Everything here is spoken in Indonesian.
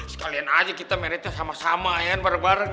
sekalian aja kita meritnya sama sama kan bareng bareng